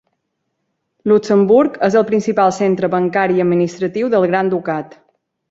Luxemburg és el principal centre bancari i administratiu del Gran Ducat.